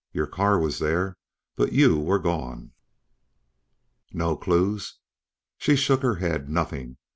Your car was there, but you were gone." "No clues?" She shook her head. "Nothing.